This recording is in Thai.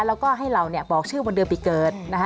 แล้วก็ให้เราเนี่ยบอกชื่อวันเดือนปีเกิดนะคะ